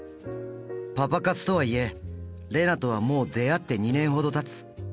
パパ活とはいえ怜那とはもう出会って２年ほどたつ。